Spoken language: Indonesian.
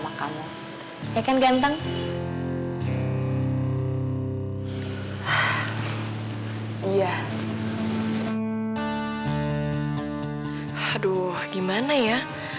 aduh gimana ya